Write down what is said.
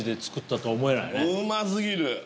うま過ぎる。